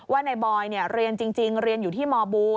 ว่านายบอยเรียนจริงเรียนอยู่ที่มบู